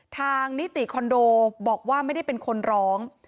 นิติคอนโดบอกว่าไม่ได้เป็นคนร้อง